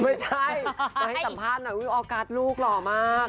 ไม่ใช่มาให้สัมภาษณ์หน่อยออกัสลูกหล่อมาก